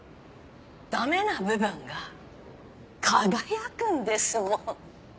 ダメな部分が輝くんですもん。